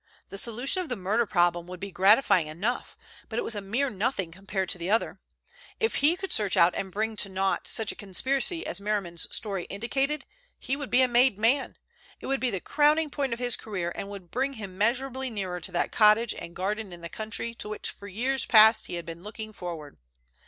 The solution of the murder problem would be gratifying enough but it was a mere nothing compared to the other. If he could search out and bring to naught such a conspiracy as Merriman's story indicated, he would be a made man. It would be the crowning point of his career, and would bring him measurably nearer to that cottage and garden in the country to which for years past he had been looking forward.